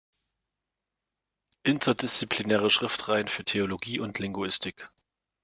Interdisziplinäre Schriftenreihe für Theologie und Linguistik".